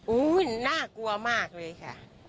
น่ากลัวมากเลยค่ะ